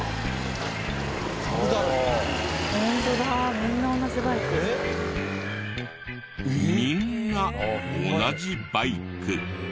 みんな同じバイク。